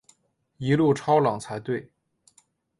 一路超冷才对